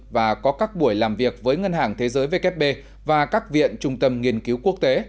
và có các buổi làm việc với ngân hàng thế giới vkp và các viện trung tâm nghiên cứu quốc tế